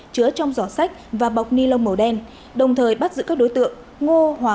chữa trong giỏ sách và bọc ni lông màu đen đồng thời bắt giữ các đối tượng